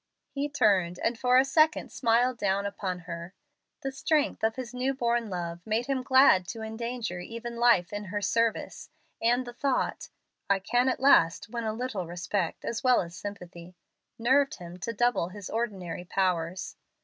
He turned, and for a second smiled down upon her. The strength of his new born love made him glad to endanger even life in her service, and the thought, "I can at last win a little respect, as well as sympathy," nerved him to double his ordinary powers.